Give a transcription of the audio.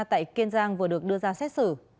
tại kiên giang vừa được đưa ra xét xử